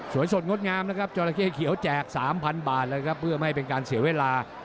สดงดงามนะครับจราเข้เขียวแจก๓๐๐บาทเลยครับเพื่อไม่เป็นการเสียเวลา